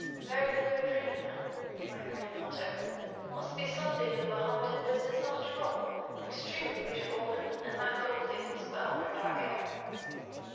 "Very queer dream," I heard him mutter. "Must be something in the Mohammedan business after all. Extremely beautiful woman, and that gold thing looks well on her dark hair."